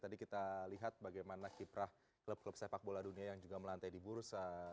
tadi kita lihat bagaimana kiprah klub klub sepak bola dunia yang juga melantai di bursa